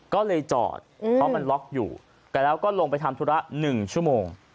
ก็เลยจอดเพราะมันล็อกอยู่แต่แล้วก็ลงไปทำธุระ๑ชั่วโมง